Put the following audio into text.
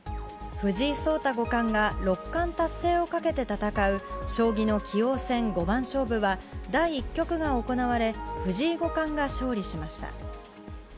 藤井聡太五冠が六冠達成をかけて戦う将棋の棋王戦五番勝負は、第１局が行われ、藤井五冠が勝利しました。